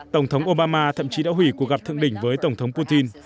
tổng thống obama thậm chí đã hủy cuộc gặp thượng đỉnh với tổng thống putin